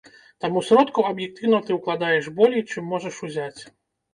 Таму сродкаў аб'ектыўна ты ўкладаеш болей, чым можаш узяць.